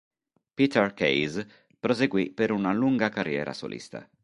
Peter Case proseguì per una lunga carriera solista.